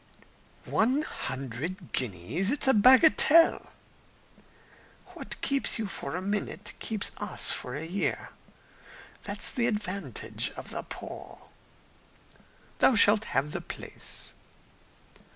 "One hundred guineas! It's a bagatelle." "What keeps you for a minute, keeps us for a year. That's the advantage of the poor." "Thou shalt have the place."